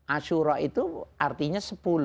ashura itu artinya sepuluh